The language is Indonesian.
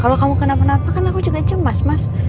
kalau kamu kenapa kan aku juga cemas mas